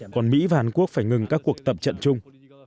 còn mỹ và hàn quốc phải ngừng các cuộc tập trận chung